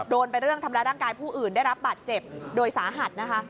ไปเรื่องทำร้ายร่างกายผู้อื่นได้รับบาดเจ็บโดยสาหัสนะคะ